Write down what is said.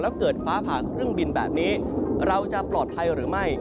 แล้วเกิดฟ้าผ่านเครื่องบินแบบนี้เราจะปลอดภัยหรือไม่